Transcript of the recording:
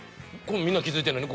みんな気付いてんのに？